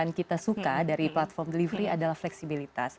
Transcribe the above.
yang kita suka dari platform delivery adalah fleksibilitas